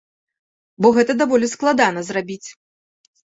Бо гэта даволі складана зрабіць.